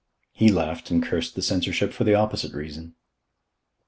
He laughed and cursed the censorship for the opposite reason.